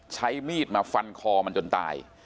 ใช้มีดมาฟันคอมันจนตาย